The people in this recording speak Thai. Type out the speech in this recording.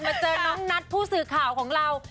เจอน้องนัทผู้สื่อข่าวของเรา